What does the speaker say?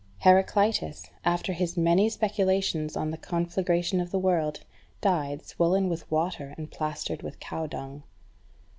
Heraclitus, after his many speculations on the conflagration of the world, died, swollen with water and plastered with cow dung.